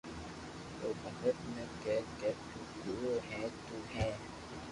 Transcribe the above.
او ڀگت ني ڪي ڪي تو ڪوڙو ھي تو ڪي